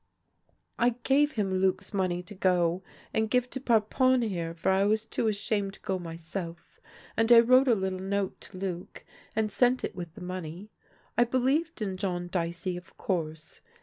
" I gave him Luc's money to go and give to Parpon here, for I was too ashamed to go myself. And I wrote a little note to Luc, and sent it with the money. I be lieved in John Dicey, of course.